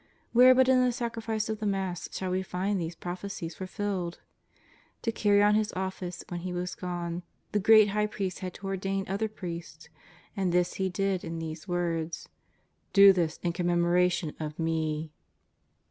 Where but in the Sacrifice of the Mass shall we find these prophecies fulfilled? To carry on His office when He was gone, the great High Priest had to ordain other priests, and this He did in these words :" Do this in commemoration of Me."